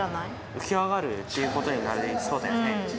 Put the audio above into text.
浮き上がるということになりそうだよね。